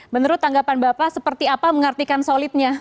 menurut tanggapan bapak seperti apa mengartikan solidnya